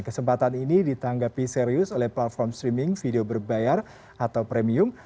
kesempatan ini ditanggapi serius oleh platform streaming video berbayar atau premium